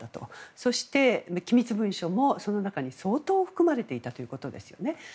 そして、機密文書もその中に相当含まれていたということですね。